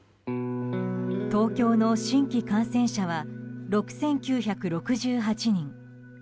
東京の新規感染者は６９６８人。